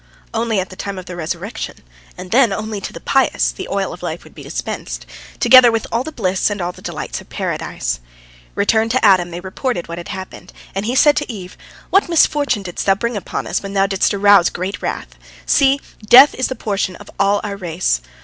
Only at the time of the resurrection, and then only to the pious, the oil of life would be dispensed, together with all the bliss and all the delights of Paradise. Returned to Adam, they reported what had happened, and he said to Eve: "What misfortune didst thou bring upon us when thou didst arouse great wrath! See, death is the portion of all our race!